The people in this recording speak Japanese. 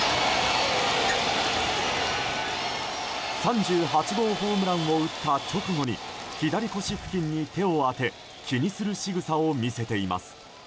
３８号ホームランを打った直後に左腰付近に手を当て気にするしぐさを見せています。